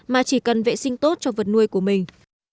mà chỉ cần vệ sinh tốt cho vật nuôi của mình